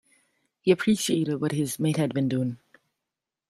He appreciated what his mate had been doing.